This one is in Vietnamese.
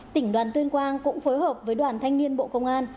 tỉnh đoàn tuyên quang cũng phối hợp với đoàn thanh niên bộ công an